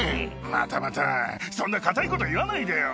またまた、そんな堅いこと言わないでよ。